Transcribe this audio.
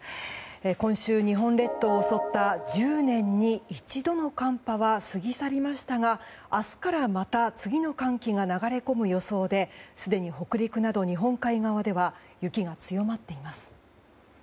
今週、日本列島を襲った１０年に一度の寒波は過ぎ去りましたが明日からまた次の寒気が流れ込む予想ですでに北陸など日本海側では雪が強まっています。